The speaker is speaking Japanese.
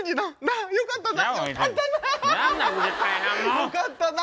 よかったな。